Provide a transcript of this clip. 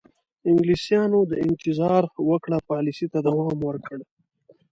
انګلیسیانو د انتظار وکړه پالیسۍ ته دوام ورکړ.